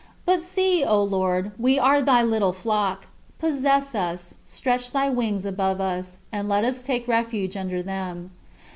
But see, O Lord, we are thy little flock. Possess us, stretch thy wings above us, and let us take refuge under them.